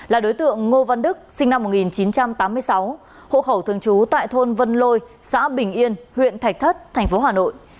là đối tượng ngô văn đức sinh năm một nghìn chín trăm tám mươi sáu hộ khẩu thường trú tại thôn vân lôi xã bình yên huyện thạch thất tp hà nội